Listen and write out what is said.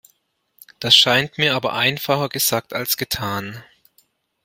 Das scheint mir aber einfacher gesagt als getan.